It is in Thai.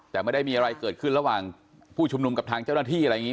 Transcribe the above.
แต่ไม่ได้มีอะไรเกิดขึ้นระหว่างผู้ชุมนุมกับทางเจ้าหน้าที่อะไรอย่างนี้